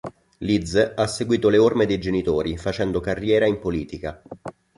Liz ha seguito le orme dei genitori facendo carriera in politica.